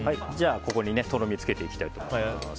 ここにとろみをつけていきたいと思います。